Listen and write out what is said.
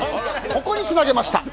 ここにつなげました。